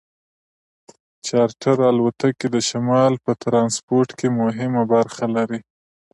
چارټر الوتکې د شمال په ټرانسپورټ کې مهمه برخه لري